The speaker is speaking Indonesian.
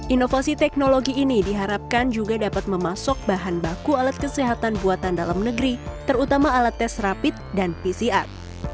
inovasi teknologi ini diharapkan juga dapat memasuk bahan baku alat kesehatan buatan dalam negeri terutama alat tes rapid dan pcr